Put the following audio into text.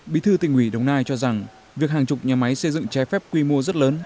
bí thư tỉnh ủy đồng nai cho rằng việc hàng chục nhà máy xây dựng trái phép quy mô rất lớn